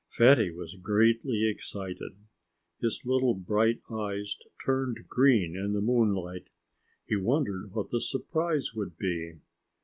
Fatty was greatly excited. His little bright eyes turned green in the moonlight. He wondered what the surprise would be.